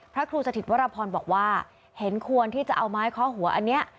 พระครูสถิตวรพรบอกว่าเห็นควรที่จะเอาไม้เคาะหัวอันนี้